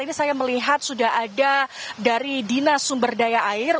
ini saya melihat sudah ada dari dinas sumber daya air